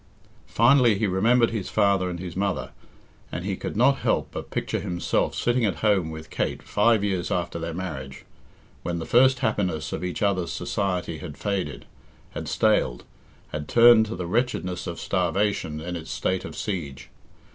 Finally, he remembered his father and his mother, and he could not help but picture himself sitting at home with Kate five years after their marriage, when the first happiness of each other's society had faded, had staled, had turned to the wretchedness of starvation in its state of siege.